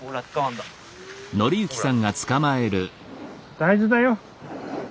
大事だよ。